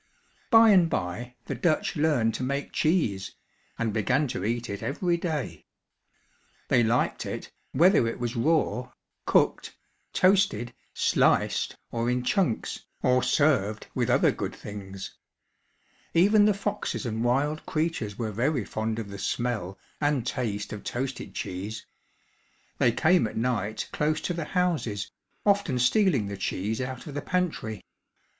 By and by the Dutch learned to make cheese and began to eat it every day. They liked it, whether it was raw, cooked, toasted, sliced, or in chunks, or served with other good things. Even the foxes and wild creatures were very fond of the smell and taste of toasted cheese. They came at night close to the houses, often stealing the cheese out of the pantry.